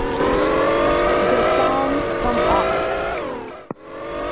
The song Come On!